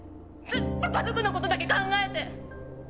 ずっと家族のことだけ考えて。